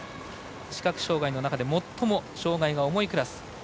視覚障がいの中で最も障がいが重いクラス。